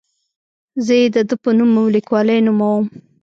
زه یې د ده په نوم او لیکلوالۍ نوموم.